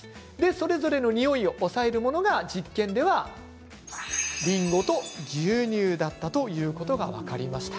それぞれのにおいを抑えるものが実験ではりんごと牛乳だったということが分かりました。